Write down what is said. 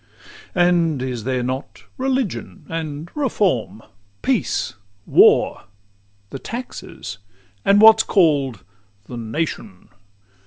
VI And is there not religion, and reform, Peace, war, the taxes, and what's call'd the "Nation"?